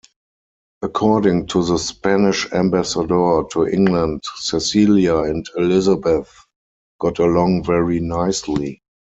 According to the Spanish ambassador to England, Cecilia and Elizabeth got along very nicely.